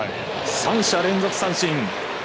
３者連続三振。